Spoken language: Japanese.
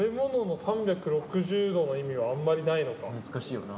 難しいよな。